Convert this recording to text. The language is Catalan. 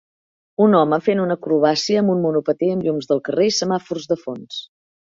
Un home fent una acrobàcia amb un monopatí amb llums del carrer i semàfors de fons.